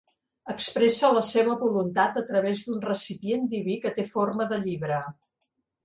Expressa la seva voluntat a través d'un recipient diví que té forma de llibre.